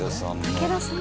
武田さん？